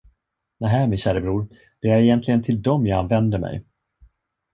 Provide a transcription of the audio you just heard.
Nähä, min käre bror, det är egentligen till dem jag vänder mig.